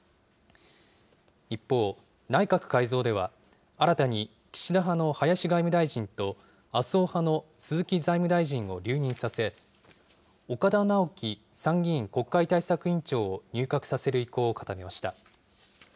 一方、内閣改造では、新たに岸田派の林外務大臣と、麻生派の鈴木財務大臣を留任させ、岡田直樹参議院国会対策委員長を入閣させる意向を固めました。